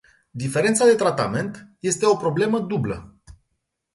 Diferența de tratament este o problemă dublă.